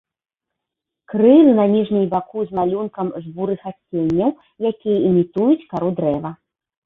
Крылы на ніжняй баку з малюнкам з бурых адценняў, якія імітуюць кару дрэва.